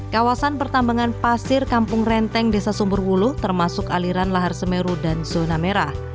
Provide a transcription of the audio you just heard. kawasan pertambangan pasir kampung renteng desa sumberwulu termasuk aliran lahar semeru dan zona merah